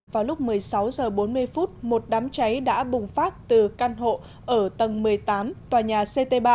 vào lúc một mươi sáu h bốn mươi một đám cháy đã bùng phát từ căn hộ ở tầng một mươi tám tòa nhà ct ba